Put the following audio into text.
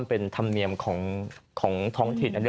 มันเป็นธรรมเนียมของท้องถิ่น